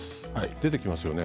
出てきますよね？